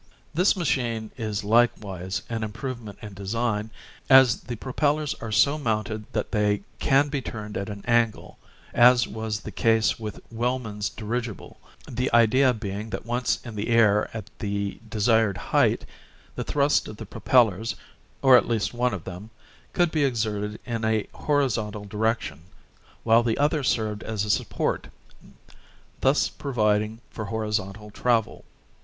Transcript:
This machine is likewise an improvement in design, as the propellers are so mounted that they 743 40 AVIATION AND ITS FUTURE can be turned at an angle, as was the case with Wellman's dirigible, the idea being that once in the air at the desired height, the thrust of the propellers, or at least one of them, could be exerted in a hori zontal direction, while the other served as a support, thus providing for horizontal travel.